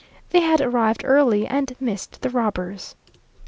They had arrived early, and missed the robbers.